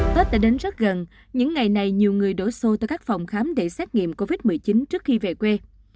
tết đã đến rất gần những ngày này nhiều người đổ xô tới các phòng khám để xét nghiệm covid một mươi chín trước khi về quê